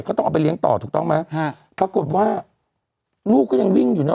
ก็ต้องเอาไปเลี้ยงต่อถูกต้องไหมฮะปรากฏว่าลูกก็ยังวิ่งอยู่เนอ